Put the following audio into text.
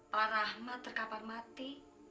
pak rahmat terkapar mati